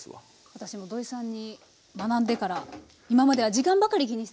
私も土井さんに学んでから今までは時間ばかり気にしてたんですけど。